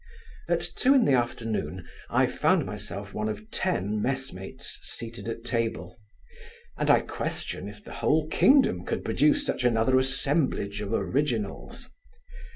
At two in the afternoon, I found myself one of ten messmates seated at table; and, I question, if the whole kingdom could produce such another assemblage of originals.